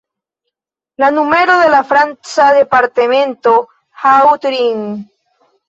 La numero de la franca departemento Haut-Rhin.